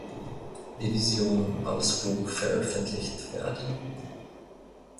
Division als Buch veröffentlicht werden.